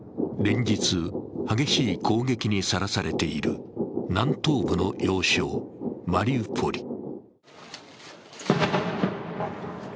連日、激しい攻撃にさらされている南東部の要衝・マリウポリ。